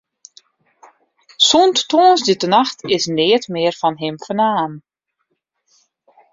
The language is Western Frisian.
Sûnt tongersdeitenacht is neat mear fan him fernaam.